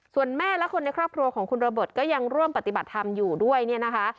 ส่วนแม่และคนในครอบครัวของคุณโรเบิร์ตก็ยังร่วมปฏิบัติธรรมอยู่ด้วยเนี่ยนะคะ